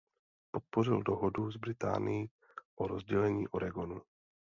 Podpořil dohodu s Británii o rozdělení Oregonu.